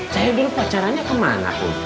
saya dulu pacarannya kemana kum